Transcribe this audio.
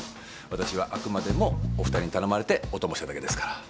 私はあくまでもお２人に頼まれてお供しただけですから。